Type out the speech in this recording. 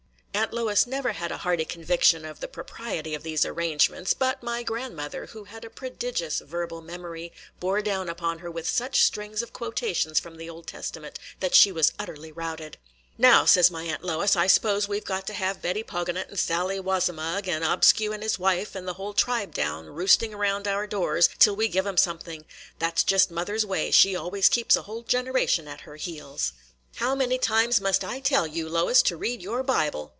Aunt Lois never had a hearty conviction of the propriety of these arrangements; but my grandmother, who had a prodigious verbal memory, bore down upon her with such strings of quotations from the Old Testament that she was utterly routed. "Now," says my Aunt Lois, "I s'pose we 've got to have Betty Poganut and Sally Wonsamug, and old Obscue and his wife, and the whole tribe down, roosting around our doors, till we give 'em something. That 's just mother's way; she always keeps a whole generation at her heels." "How many times must I tell you, Lois, to read your Bible?"